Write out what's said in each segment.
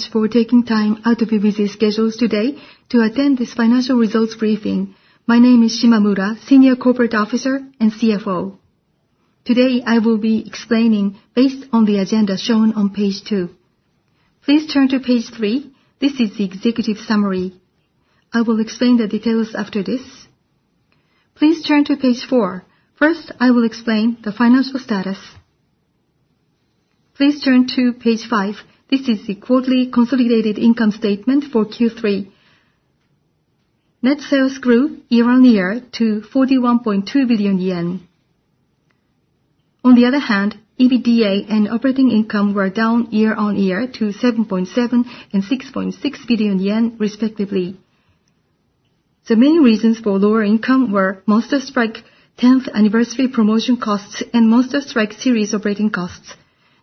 much for taking time out of your busy schedules today to attend this financial results briefing. My name is Shimamura, Senior Corporate Officer and CFO. Today, I will be explaining based on the agenda shown on page two. Please turn to page three. This is the executive summary. I will explain the details after this. Please turn to page four. First, I will explain the financial status. Please turn to page five. This is the quarterly consolidated income statement for Q3. Net sales grew year-on-year to 41.2 billion yen. On the other hand, EBITDA and operating income were down year-on-year to 7.7 billion and 6.6 billion yen, respectively. The main reasons for lower income were MONSTER STRIKE 10th anniversary promotion costs and MONSTER STRIKE series operating costs.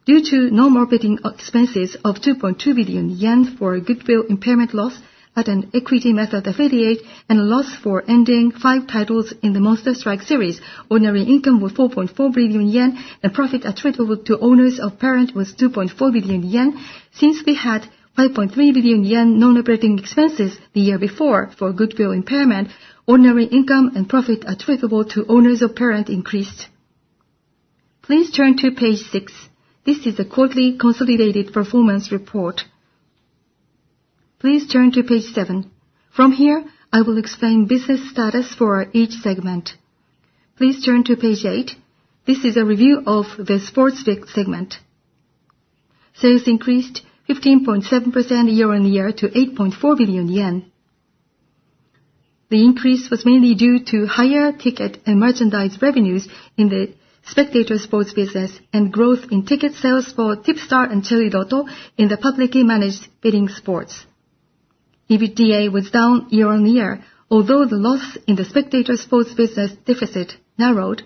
Due to non-operating expenses of 2.2 billion yen for a goodwill impairment loss at an equity method affiliate and a loss for ending five titles in the MONSTER STRIKE series, ordinary income was 4.4 billion yen, and profit attributable to owners of parent was 2.4 billion yen. Since we had 1.3 billion yen non-operating expenses the year before for goodwill impairment, ordinary income and profit attributable to owners of parent increased. Please turn to page six. This is the quarterly consolidated performance report. Please turn to page seven. From here, I will explain business status for each segment. Please turn to page eight. This is a review of the sports segment. Sales increased 15.7% year-on-year to 8.4 billion yen. The increase was mainly due to higher ticket and merchandise revenues in the spectator sports business and growth in ticket sales for TIPSTAR and Chariloto in the publicly managed betting sports. EBITDA was down year-on-year, although the loss in the spectator sports business deficit narrowed.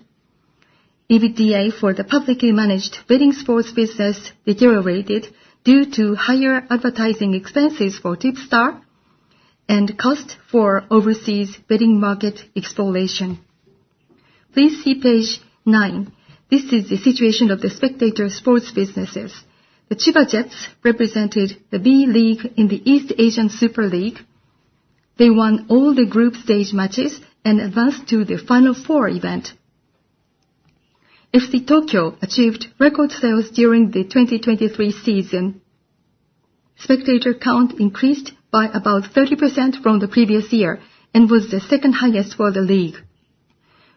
EBITDA for the publicly managed betting sports business deteriorated due to higher advertising expenses for TIPSTAR and cost for overseas betting market exploration. Please see page nine. This is the situation of the spectator sports businesses. The Chiba Jets represented the B.LEAGUE in the East Asia Super League. They won all the group stage matches and advanced to the Final Four event. FC Tokyo achieved record sales during the 2023 season. Spectator count increased by about 30% from the previous year and was the second highest for the league.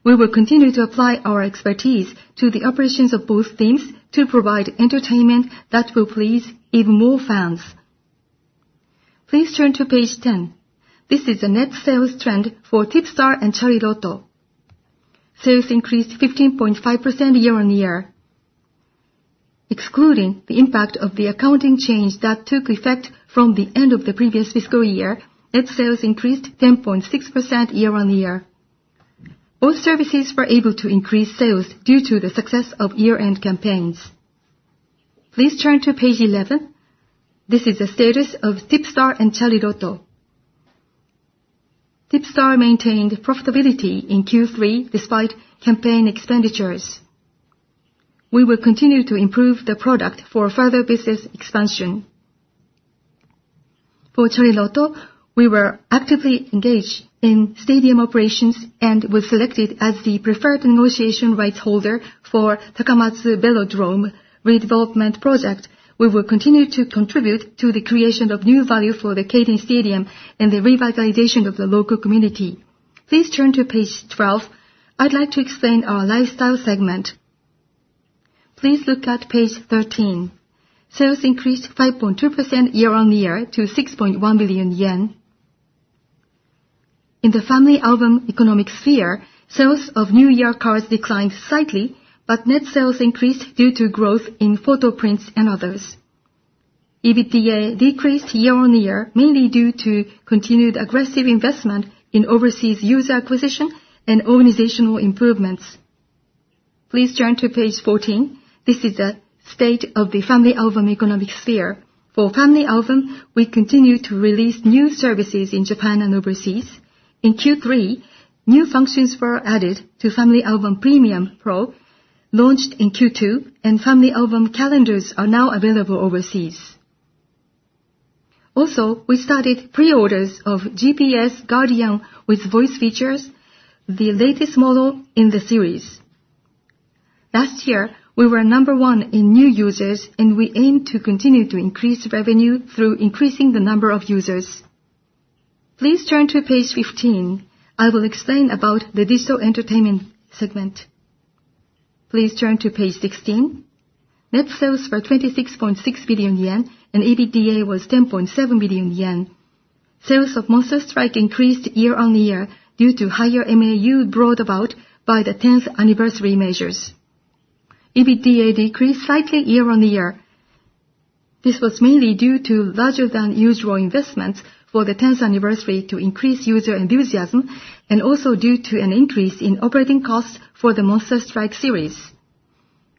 We will continue to apply our expertise to the operations of both teams to provide entertainment that will please even more fans. Please turn to page 10. This is the net sales trend for TIPSTAR and Chariloto. Sales increased 15.5% year-on-year. Excluding the impact of the accounting change that took effect from the end of the previous fiscal year, net sales increased 10.6% year-on-year. Both services were able to increase sales due to the success of year-end campaigns. Please turn to page 11. This is the status of TIPSTAR and Chariloto. TIPSTAR maintained profitability in Q3 despite campaign expenditures. We will continue to improve the product for further business expansion. For Chariloto, we were actively engaged in stadium operations and were selected as the preferred negotiation rights holder for Takamatsu Velodrome redevelopment project. We will continue to contribute to the creation of new value for the Keirin Stadium and the revitalization of the local community. Please turn to page 12. I'd like to explain our lifestyle segment. Please look at page 13. Sales increased 5.2% year-on-year to 6.1 billion yen. In the FamilyAlbum economic sphere, sales of new year cards declined slightly, but net sales increased due to growth in photo prints and others. EBITDA decreased year-on-year, mainly due to continued aggressive investment in overseas user acquisition and organizational improvements. Please turn to page 14. This is the state of the FamilyAlbum economic sphere. For FamilyAlbum, we continue to release new services in Japan and overseas. In Q3, new functions were added to FamilyAlbum Premium Pro, launched in Q2, and FamilyAlbum calendars are now available overseas. Also, we started pre-orders of GPS Guardian with voice features, the latest model in the series. Last year, we were number one in new users, and we aim to continue to increase revenue through increasing the number of users. Please turn to page 15. I will explain about the digital entertainment segment. Please turn to page 16. Net sales were 26.6 billion yen, and EBITDA was 10.7 billion yen. Sales of MONSTER STRIKE increased year-on-year due to higher MAU brought about by the 10th anniversary measures. EBITDA decreased slightly year-on-year. This was mainly due to larger than usual investments for the 10th anniversary to increase user enthusiasm and also due to an increase in operating costs for the MONSTER STRIKE series.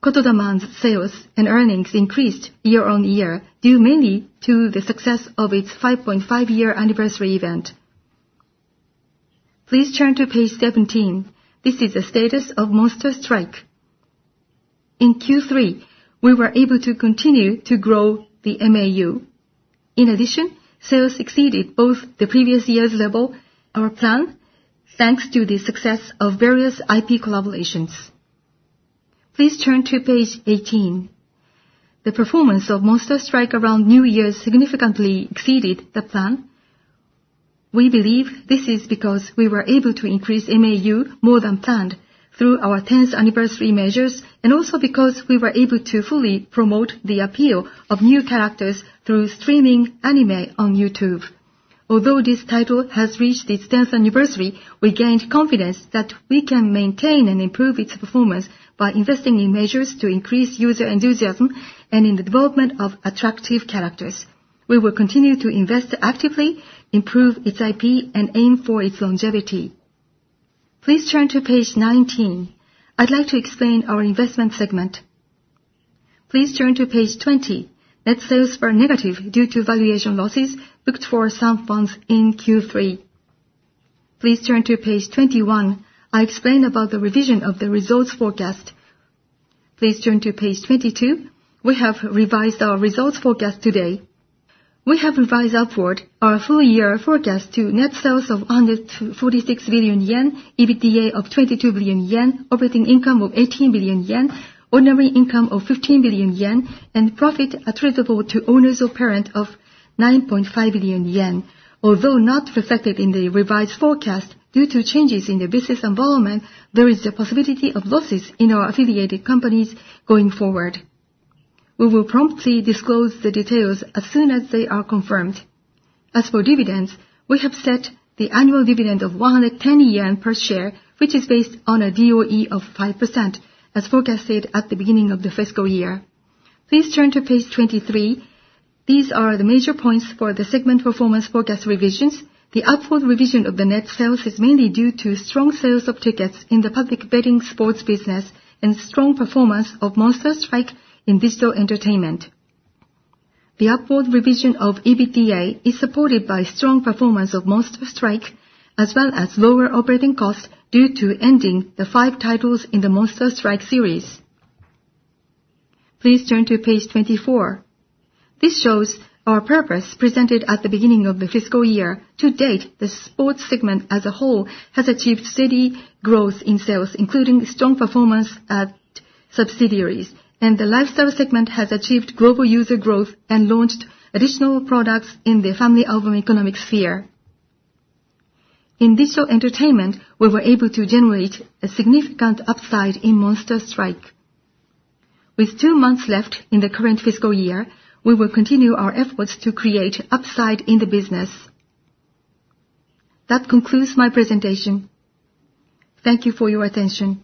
Kotodaman's sales and earnings increased year-on-year, due mainly to the success of its 5.5-year anniversary event. Please turn to page 17. This is the status of MONSTER STRIKE. In Q3, we were able to continue to grow the MAU. In addition, sales exceeded both the previous year's level, our plan, thanks to the success of various IP collaborations. Please turn to page 18. The performance of MONSTER STRIKE around New Year's significantly exceeded the plan. We believe this is because we were able to increase MAU more than planned through our tenth anniversary measures, and also because we were able to fully promote the appeal of new characters through streaming anime on YouTube. Although this title has reached its tenth anniversary, we gained confidence that we can maintain and improve its performance by investing in measures to increase user enthusiasm and in the development of attractive characters. We will continue to invest actively, improve its IP, and aim for its longevity. Please turn to page 19. I'd like to explain our investment segment. Please turn to page 20. Net sales were negative due to valuation losses booked for some funds in Q3. Please turn to page 21. I explain about the revision of the results forecast. Please turn to page 22. We have revised our results forecast today. We have revised upward our full year forecast to net sales of under 46 billion yen, EBITDA of 22 billion yen, operating income of 18 billion yen, ordinary income of 15 billion yen, and profit attributable to owners of parent of 9.5 billion yen. Although not reflected in the revised forecast, due to changes in the business environment, there is the possibility of losses in our affiliated companies going forward. We will promptly disclose the details as soon as they are confirmed. As for dividends, we have set the annual dividend of 110 yen per share, which is based on a DOE of 5%, as forecasted at the beginning of the fiscal year. Please turn to page 23. These are the major points for the segment performance forecast revisions. The upward revision of the net sales is mainly due to strong sales of tickets in the public betting sports business and strong performance of MONSTER STRIKE in digital entertainment. The upward revision of EBITDA is supported by strong performance of MONSTER STRIKE, as well as lower operating costs due to ending the five titles in the MONSTER STRIKE series. Please turn to page 24. This shows our purpose presented at the beginning of the fiscal year. To date, the sports segment as a whole has achieved steady growth in sales, including strong performance at subsidiaries. The lifestyle segment has achieved global user growth and launched additional products in the FamilyAlbum economic sphere. In digital entertainment, we were able to generate a significant upside in MONSTER STRIKE. With two months left in the current fiscal year, we will continue our efforts to create upside in the business. That concludes my presentation. Thank you for your attention.